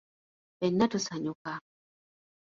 Ffeena tusanyuka.